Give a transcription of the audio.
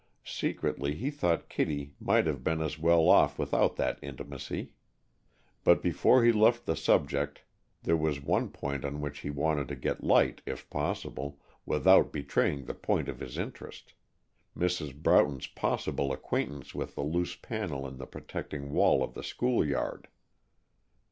Secretly he thought Kittie might have been as well off without that intimacy. But before he left the subject there was one point on which he wanted to get light, if possible, without betraying the point of his interest, Mrs. Broughton's possible acquaintance with the loose panel in the protecting wall of the school yard.